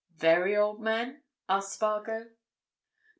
"Very old men?" asked Spargo.